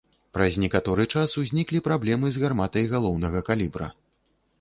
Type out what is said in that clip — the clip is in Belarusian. Праз некаторы час узніклі праблемы з гарматай галоўнага калібра.